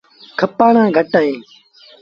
کپآڻآن گھٽ اهيݩ۔